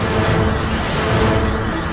ini mah aneh